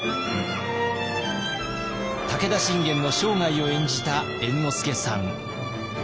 武田信玄の生涯を演じた猿之助さん。